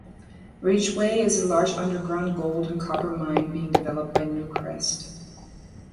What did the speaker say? Ridgeway is a large underground gold and copper mine being developed by Newcrest.